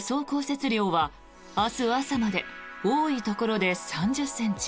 降雪量は明日朝まで多いところで３０ｃｍ。